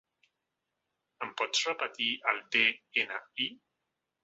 Em pots repetir el de-ena-i?